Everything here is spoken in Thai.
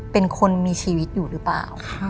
เป็นคนมีชีวิตอยู่หรือเปล่า